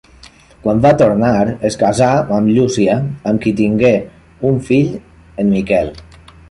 Quan va tornar, es casà amb Llúcia amb qui tingué un fill, en Miquel.